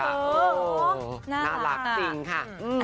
โอ้โหน่ารักจริงค่ะ